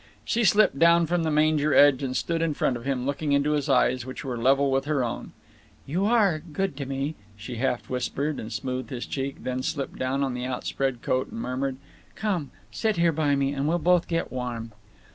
She slipped down from the manger edge and stood in front of him, looking into his eyes—which were level with her own. "You are good to me," she half whispered, and smoothed his cheek, then slipped down on the outspread coat, and murmured, "Come; sit here by me, and we'll both get warm."